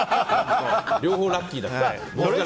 両方ラッキーだった。